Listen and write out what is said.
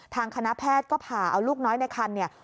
ทางคณะแพทย์ก็ผ่าเอาลูกน้อยในครรภ์